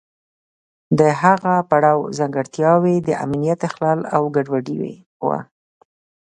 د هغه پړاو ځانګړتیاوې د امنیت اخلال او ګډوډي وه.